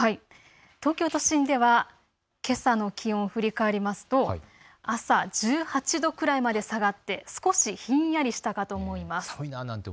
東京都心ではけさの気温、振り返りますと朝は１８度くらいまで下がって少しひんやりしたかと思います。